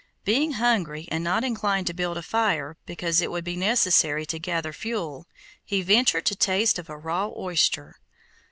Being hungry, and not inclined to build a fire, because it would be necessary to gather fuel, he ventured to taste of a raw oyster.